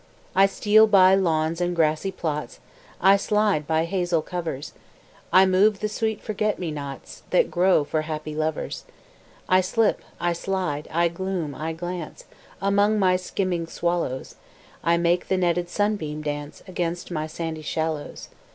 I steal by lawns and grassy plots, I slide by hazel covers; I move the sweet forget me nots That grow for happy lovers. I slip, I slide, I gloom, I glance, Among my skimming swallows; I make the netted sunbeam dance Against my sandy shallows.